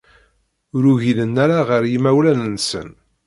Ur ugilen ara ɣer yimawlan-nsen.